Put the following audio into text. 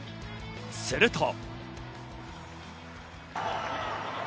すると。